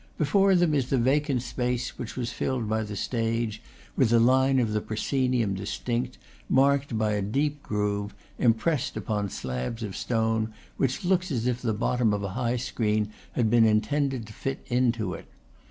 Be fore them is the vacant space which was filled by the stage, with the line of the prosoenium distinct, marked by a deep groove, impressed upon slabs of stone, which looks as if the bottom of a high screen had been in tended to fit into it.